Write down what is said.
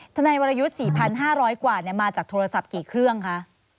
ทนายวรยุทธ์๔๕๐๐กว่ามาจากโทรศัพท์กี่เครื่องคะ